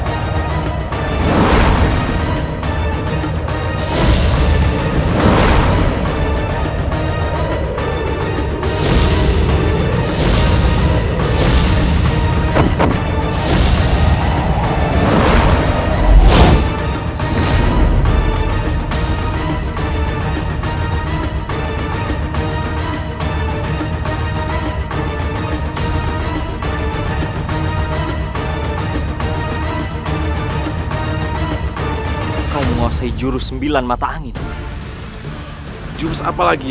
aku akan menemukan sosok asli